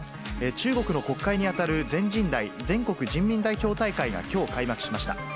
中国の国会に当たる全人代・全国人民代表大会が、きょう開幕しました。